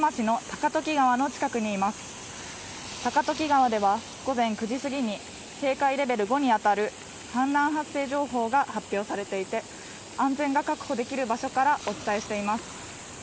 高時川では午前９時過ぎに警戒レベル５に当たる氾濫発生情報が発表されていて安全が確保できる場所からお伝えしています